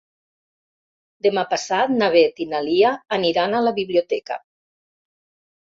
Demà passat na Beth i na Lia aniran a la biblioteca.